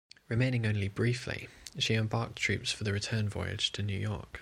Remaining only briefly, she embarked troops for the return voyage to New York.